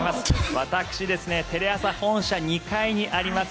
私、テレ朝本社２階にあります